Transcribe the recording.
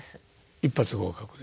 一発合格で。